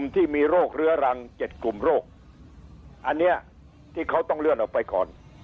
ที่มีโรคเรื้อรัง๗กลุ่มโรคอันนี้ที่เขาต้องเลื่อนออกไปก่อน